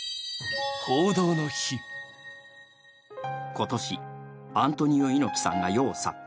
今年、アントニオ猪木さんが世を去った。